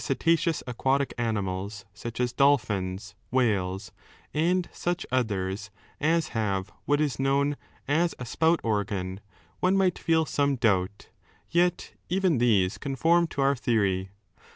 REGABDiNa the cetaceous aquatic animals, such as dolphins, whales, and such others as have what is known as a spout organ, one might feel some doubt, yet even these conform to our theory.